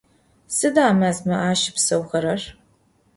Sıda mezme aşıpseuxerer?